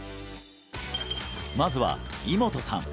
まずは井元さん